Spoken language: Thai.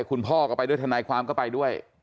คุณพ่อก็ไปด้วยทนายความก็ไปด้วย